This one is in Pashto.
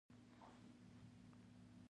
پر ورانيو او جرمونو خوشحاله کېږي.